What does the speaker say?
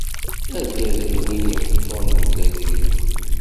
Argaz d win i d-iqeṭṭun mebla idrimen.